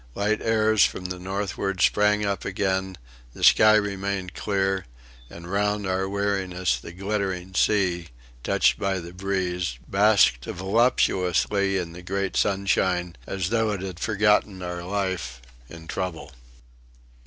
Light airs from the northward sprang up again; the sky remained clear; and round our weariness the glittering sea, touched by the breeze, basked voluptuously in the great sunshine, as though it had forgotten our life and trouble.